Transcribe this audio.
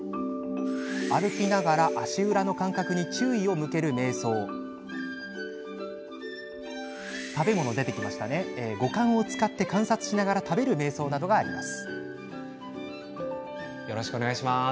歩きながら足裏の感覚に注意を向ける瞑想食べ物を五感を使って観察しながら食べる瞑想などがあります。